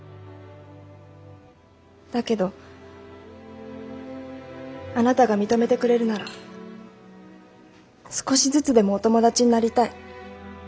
だけどあなたが認めてくれるなら少しずつでもお友達になりたい。